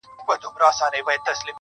• گراني انكار.